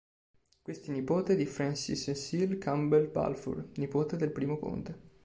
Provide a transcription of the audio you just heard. Questi è nipote di Francis Cecil Campbell Balfour, nipote del I conte.